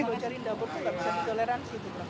kalau cari dapur itu tidak bisa di toleransi